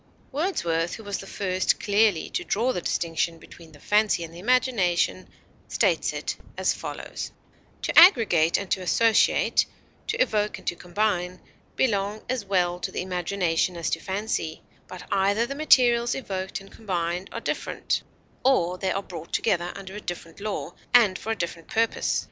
Wordsworth, who was the first clearly to draw the distinction between the fancy and the imagination, states it as follows: To aggregate and to associate, to evoke and to combine, belong as well to the imagination as to the fancy; but either the materials evoked and combined are different; or they are brought together under a different law, and for a different purpose.